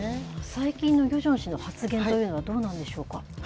最近のヨジョン氏の発言というのはどうなんでしょうか。